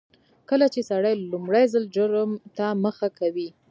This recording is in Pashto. کله چې سړی لومړي ځل جرم ته مخه کوي